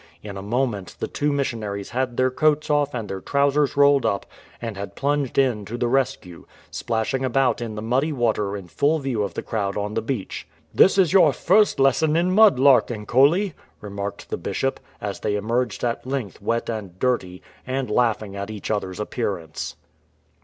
In a moment the two missionaries had their coats off and their trousers rolled up, and had plunged in to the rescue, splashing about in the muddy water in full view of the crowd on the beach. " This is your first lesson in mud larking, Coley,'"* remarked the Bishop, as they emerged at length wet and dirty, and laughing at each other's appearance.